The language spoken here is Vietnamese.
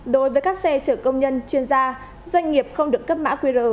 đối với các xe chở công nhân chuyên gia doanh nghiệp không được cấp mã qr